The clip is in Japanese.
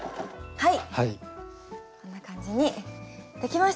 はい。